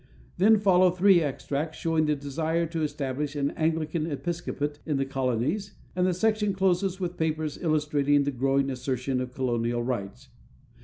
Then follow three extracts showing the desire to establish an Anglican episcopate in the colonies, and the section closes with papers illustrating the "growing assertion of colonial rights."